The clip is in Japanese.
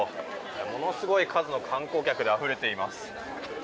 ものすごい数の観光客であふれています。